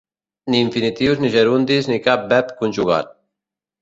Ni infinitius ni gerundis ni cap verb conjugat.